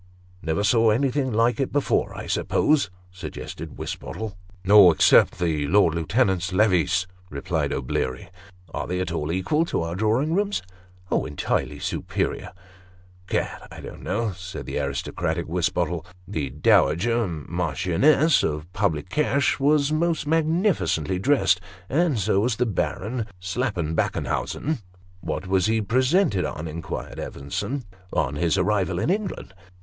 " Never saw anything like it before, I suppose ?" suggested Wis bottle. " No except the Lord Lieutenant's levees," replied O'Bleary. " Are they at all equal to our Drawing rooms ?"" Oh, infinitely superior !"" Gad ! I don't know," said the aristocratic Wisbottle, " the Dowager Marchioness of Publiccash was most magnificently dressed, and so was the Baron Slappeubaohenhausen." " What was he presented on ?" inquired Evenson. " On his arrival in England."